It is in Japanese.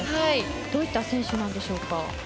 どういった選手なんでしょうか？